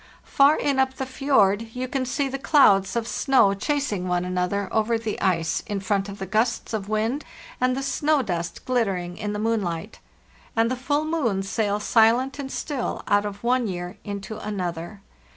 Far in up the fjord you can see the clouds of snow chasing one another over the ice in front of the gusts of wind, and the snow dust glittering in the moonlight. And the full moon sails silent and still out of one year into another.